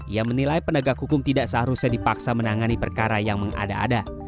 ia menilai penegak hukum tidak seharusnya dipaksa menangani perkara yang mengada ada